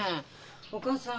お義母さん